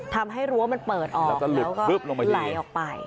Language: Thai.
ทำให้รั้วมันเปิดออกแล้วก็หลุดลุบลงไปทีแล้วก็ไหลออกไป